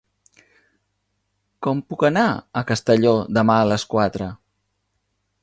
Com puc anar a Castelló demà a les quatre?